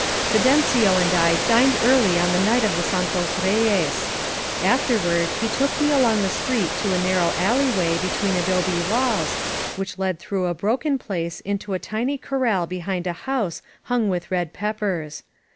Fidencio and I dined early on the night of the San tos Reyes. Afterward, he took me along the street to a narrow alley way between adobe walls, which led through a broken place into a tiny corral behind a house hung with red peppers.